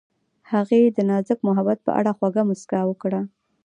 هغې د نازک محبت په اړه خوږه موسکا هم وکړه.